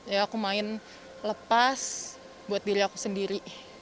ya aku main lepas buat diri aku sendiri